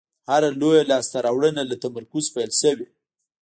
هره لویه لاستهراوړنه له تمرکز پیل شوې.